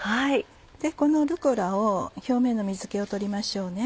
このルッコラを表面の水気を取りましょうね。